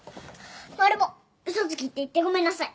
マルモ嘘つきって言ってごめんなさい。